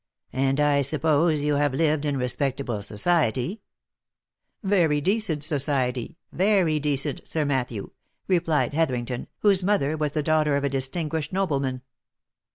" And I suppose you have lived in respectable society ?"" Very decent society — very decent, Sir Matthew," replied Hetherington, whose mother was the daughter of a distinguished nobleman.